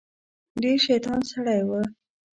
ډیر شیطان سړی و.